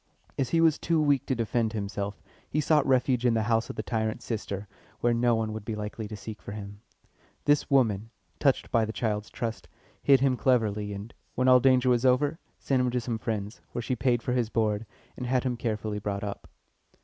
As he was too weak to defend himself, he sought refuge in the house of the tyrant's sister, where no one would be likely to seek for him. This woman, touched by the child's trust, hid him cleverly, and, when all danger was over, sent him to some friends, where she paid for his board, and had him carefully brought up.